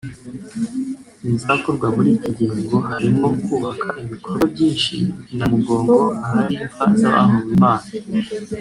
Ibizakorwa muri iki gihe ngo harimo kubaka ibikorwa byinshi i Namugongo ahari imva z’abahowe Imana